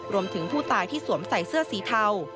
รวมถึงผู้ตายที่สวมใส่เสื้อสีเทา